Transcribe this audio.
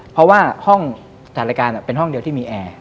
เพราะว่าห้องถ่ายรายการเป็นห้องเดียวที่มีแอร์